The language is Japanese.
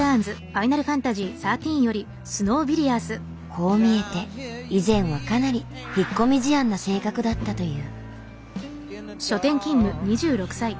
こう見えて以前はかなり引っ込み思案な性格だったという。